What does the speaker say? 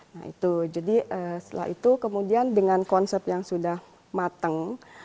nah itu jadi setelah itu kemudian dengan konsep yang sudah matang